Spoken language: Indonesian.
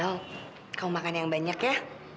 oh kamu makan yang banyak ya